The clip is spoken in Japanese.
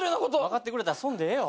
分かってくれたらそんでええよ。